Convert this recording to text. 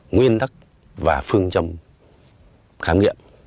nguyên tắc và phương chấm khám nghiệm